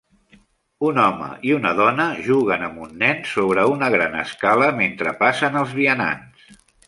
Un home i una dona juguen amb un nen sobre una gran escala mentre passen els vianants